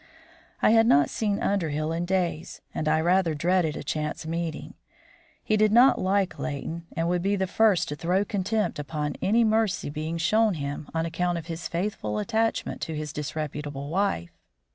I had not seen Underhill in days, and I rather dreaded a chance meeting. He did not like Leighton, and would be the first to throw contempt upon any mercy being shown him on account of his faithful attachment to his disreputable wife.